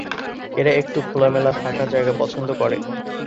এরা একটু খোলামেলা ফাঁকা জায়গা পছন্দ করে।